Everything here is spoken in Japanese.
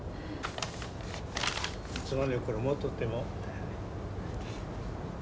いつまでもこれ持っとっても。